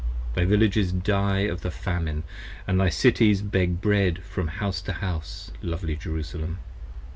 Thy Villages die of the Famine, and thy Cities Beg bread from house to house, lovely Jerusalem.